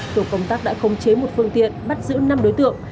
tổ công tác đã khống chế một phương tiện bắt giữ năm đối tượng